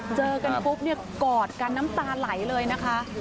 เจอกันปุ๊บกอดกันน้ำตาไหลเลยค่ะ